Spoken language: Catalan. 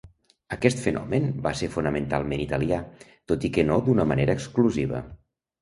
Aquest fenomen va ser fonamentalment italià, tot i que no d'una manera exclusiva.